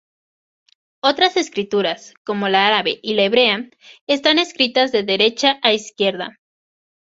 Otras escrituras, como la árabe y la hebrea, están escritas de derecha a izquierda.